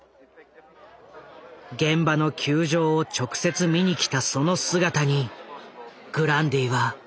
現場の窮状を直接見に来たその姿にグランディは衝撃を受けた。